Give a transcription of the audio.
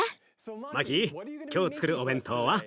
マキ今日つくるお弁当は？